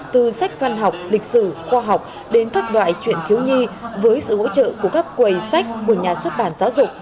từ sách văn học lịch sử khoa học đến các loại chuyện thiếu nhi với sự hỗ trợ của các quầy sách của nhà xuất bản giáo dục